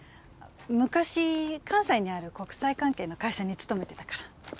昔関西にある国際関係の会社に勤めてたから。